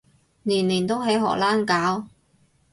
年年都喺荷蘭搞？